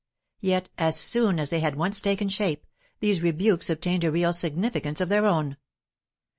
Yet, as soon as they had once taken shape, these rebukes obtained a real significance of their own.